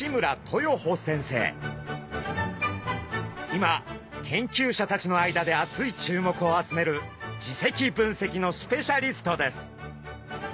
今研究者たちの間で熱い注目を集める耳石分析のスペシャリストです。